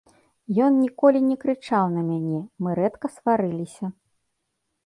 Ён ніколі не крычаў на мяне, мы рэдка сварыліся.